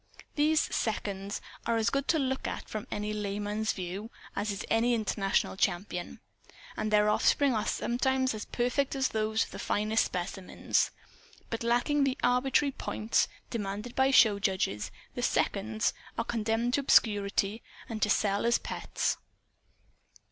These "seconds" are as good to look at, from a layman's view, as is any international champion. And their offspring are sometimes as perfect as are those of the finest specimens. But, lacking the arbitrary "points" demanded by show judges, the "seconds" are condemned to obscurity, and to sell as pets.